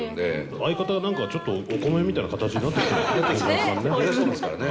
相方がなんか、ちょっとお米みたいな形になってきましたね。